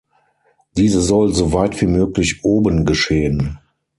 Diese soll soweit wie möglich oben geschehen.